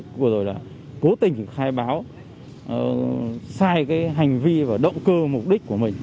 vừa rồi là cố tình khai báo sai cái hành vi và động cơ mục đích của mình